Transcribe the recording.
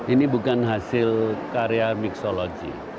ini bukan hasil karya miksology